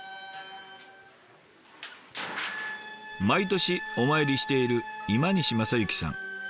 毎年お参りしている今西将之さん。